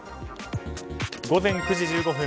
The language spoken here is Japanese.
午前９時１５分。